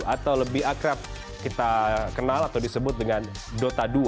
atau lebih akrab kita kenal atau disebut dengan dota dua